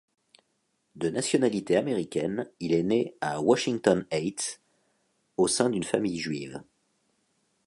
De nationalité américaine, il est né à Washington Heights, au sein d'une famille juive.